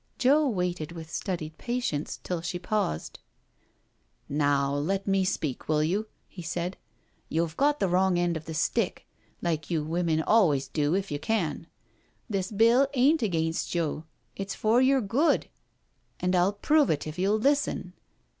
Joe waited with studied patience till she paused. JENNY'S CALL 6$ "Now let me speak, will you?" he said. " YoVe got the wrong end of the stick, like you women always do, if you can. This Bill ain't against you, it's for yer good, an' I'll prove it if you'll listen."